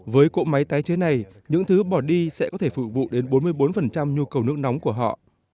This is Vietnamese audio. với cỗ máy tái chế này những thứ bỏ đi sẽ có thể phục vụ đến bốn mươi bốn nhu cầu nước nóng của họ